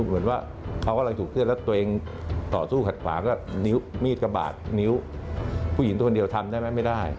เหมือนว่าเขากำลังถูกเคลื่อน